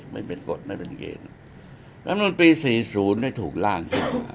ไม่เป็นกฎไม่เป็นเกณฑ์แล้วนู่นปี๔๐ไม่ถูกร่างคิดมา